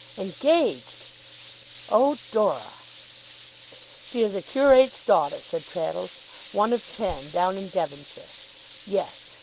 Engaged! Oh, Dora! 'She is a curate's daughter,' said Traddles; 'one of ten, down in Devonshire. Yes!